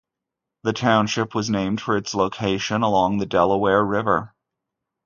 The township was named for its location along the Delaware River.